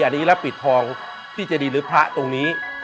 อันนี้รับปิดทองที่เจดีหรือพระตรงนี้